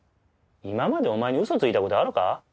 今までお前に嘘ついた事あるか？